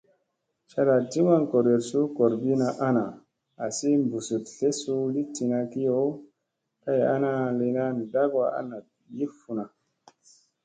Cada di maŋ gooryoɗ suu goorbina ana assi busuɗ tlesu li tina kiyo kay ana lina dakwa a naɗ yi funa.